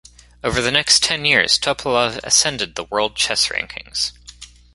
Over the next ten years Topalov ascended the world chess rankings.